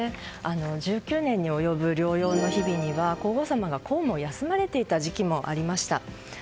１９年に及ぶ療養の日々には皇后さまが公務を休まれていた時期もありました。